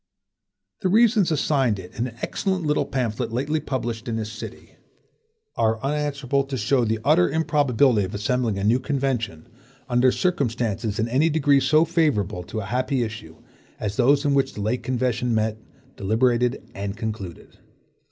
The reasons assigned in an excellent little pamphlet lately published in this city,(1) are unanswerable to show the utter improbability of assembling a new convention, under circumstances in any degree so favorable to a happy issue, as those in which the late convention met, deliberated, and concluded.